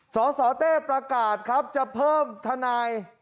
สสเต้ประกาศครับจะเพิ่มทนาย